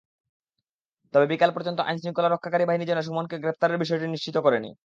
তবে বিকেল পর্যন্ত আইনশৃঙ্খলা রক্ষাকারী বাহিনী সেন সুমনকে গ্রেপ্তারের বিষয়টি নিশ্চিত করেনি।